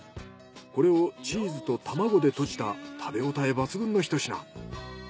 これをチーズと卵でとじた食べごたえ抜群のひと品。